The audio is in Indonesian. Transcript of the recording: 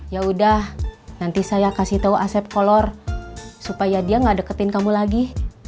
ya udah nanti saya kasih tahu asep kolor supaya dia gak deketin kamu lagi